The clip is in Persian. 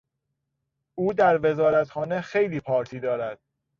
او در وزارتخانه خیلی پارتی دارد.